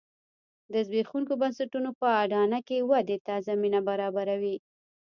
د زبېښونکو بنسټونو په اډانه کې ودې ته زمینه برابروي